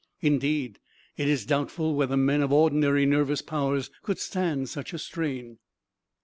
Indeed, it is doubtful whether men of ordinary nervous powers could stand such a strain.